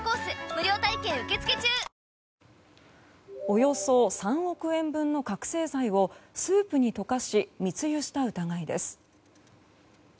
およそ３億円分の覚醒剤をスープに溶かし密輸した疑いです。